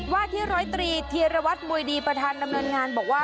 ว่าที่๑๐๓เทียรวรรค์มวยดีประธานดำเนินงานบอกว่า